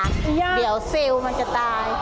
เดี๋ยวเซลล์มันจะตาย